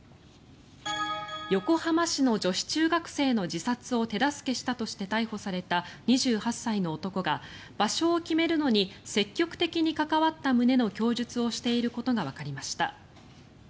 横浜市の女子中学生の自殺を手助けしたとして逮捕された２８歳の男が場所を決めるのに積極的に関わった旨の供述をしていることがわかりました。